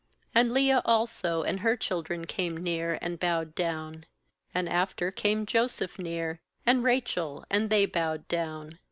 7And Leah also and her children came near, and bowed down; and after came Joseph near and Rachel, and they bowed down.